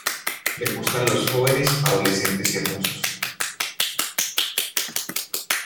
Le gustan los jóvenes adolescentes y hermosos.